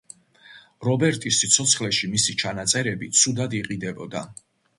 რობერტის სიცოცხლეში მისი ჩანაწერები ცუდად იყიდებოდა.